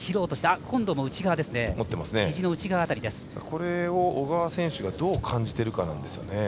これを小川選手がどう感じているかなんですよね。